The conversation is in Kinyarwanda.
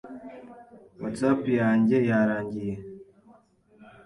Whatsapp yanjye yarangiye